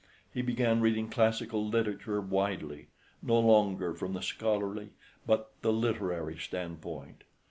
He began reading classical literature widely, no longer from the scholarly but the literary standpoint.